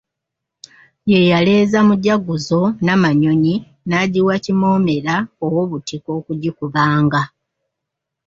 Ye yaleeza Mujaguzo Nnamanyonyi n'agiwa Kimoomera ow'Obutiko okugikubanga.